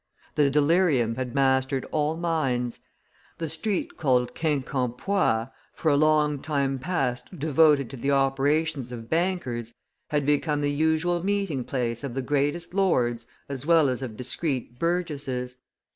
The delirium had mastered all minds. The street called Quincampoix, for a long time past devoted to the operations of bankers, had become the usual meeting place of the greatest lords as well as of discreet burgesses.